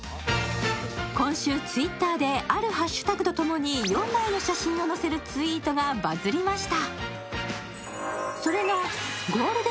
今週Ｔｗｉｔｔｅｒであるハッシュタグと一緒に４枚の写真がバズりました